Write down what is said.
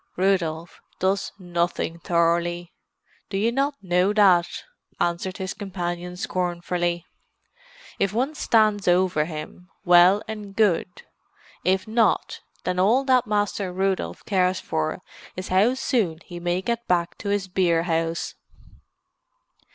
"Rudolf does nothing thoroughly—do you not know that?" answered his companion scornfully. "If one stands over him—well and good; if not, then all that Master Rudolf cares for is how soon he may get back to his beerhouse.